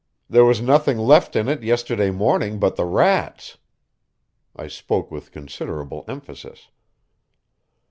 There was nothing left in it yesterday morning but the rats." I spoke with considerable emphasis.